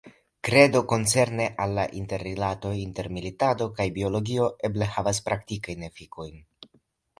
Kredo koncerne al la interrilato inter militado kaj biologio eble havas praktikajn efikojn.